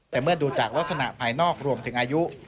แต่เมื่อดูจากลักษณะภายนอกรวมถึงอายุ